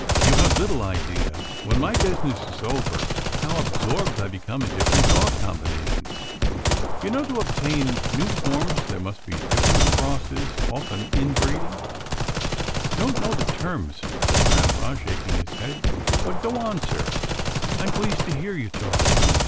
You have little idea, when my business is over, how absorbed I become in different dog combinations. You know, to obtain new forms there must be differ ent crosses, often in breeding." " Don't know the terms," said grampa, shaking his head, " but go on, sir, I'm pleased to hear you talk."